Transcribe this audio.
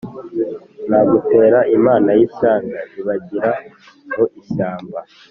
Nagutera Imana y'ishyanga ibagira mu ishyamba-